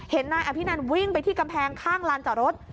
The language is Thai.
นายอภินันวิ่งไปที่กำแพงข้างลานจอดรถ